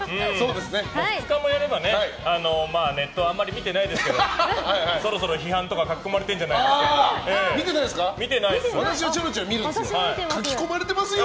２日もやればネットをあんまり見てないですけどそろそろ批判とか書き込まれてるんじゃ私はちょいちょい見るんです。